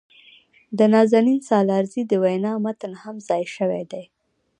د نازنین سالارزي د وينا متن هم ځای شوي دي.